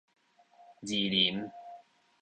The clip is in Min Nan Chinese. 二林